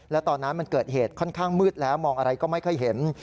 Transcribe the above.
แล้วตอนนั้นมันเกิดเหตุค่อนข้างมืดแล้วมองอะไรก็ไม่ค่อยเห็น